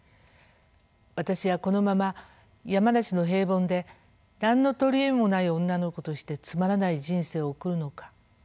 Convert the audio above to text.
「私はこのまま山梨の平凡で何の取り柄もない女の子としてつまらない人生を送るのか。